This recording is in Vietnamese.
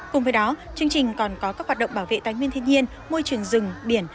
cùng với đó chương trình còn có các hoạt động bảo vệ tánh nguyên thiên nhiên môi trường rừng biển